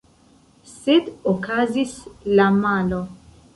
Sed okazis la malo.